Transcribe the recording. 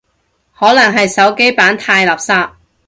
可能係手機版太垃圾